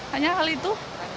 hanya hal itu